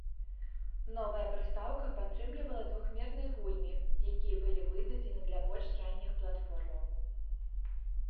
Новая прыстаўка падтрымлівала двухмерныя гульні якія былі выдадзены для больш ранніх платформаў.